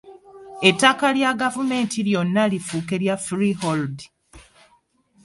Ettaka lya gavumenti lyonna lifuuke lya freehold.